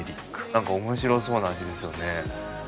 何か面白そうな味ですよね。